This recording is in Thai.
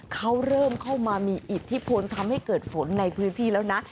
เขาเริ่มเข้ามามีอิทธิพลทำให้เกิดฝนในพื้นที่แล้วนะ